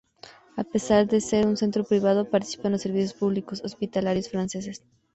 A pesar de ser un centro privado, participa en los servicios públicos hospitalarios franceses.